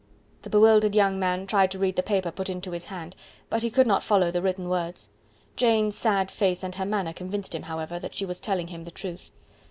The bewildered young man tried to read the paper put into his hand, but he could not follow the written words. Jane's sad face and her manner convinced him, however, that she was telling him the truth.